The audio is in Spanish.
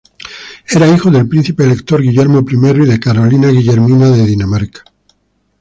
Era hijo del príncipe elector Guillermo I y de Carolina Guillermina de Dinamarca.